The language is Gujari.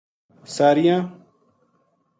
سا ریاں